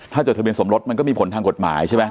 ถ้าจดทะเบียนสมรสมันก็มีผลทางกฎหมายใช่ไหม